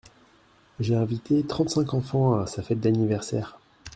J’ai invité trente-cinq enfants à sa fête d’anniversaire.